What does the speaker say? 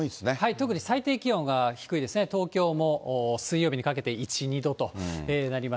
特に最低気温が低いですね、東京も水曜日にかけて１、２度となります。